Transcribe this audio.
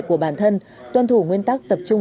của bản thân toàn thủ nguyên tắc tập trung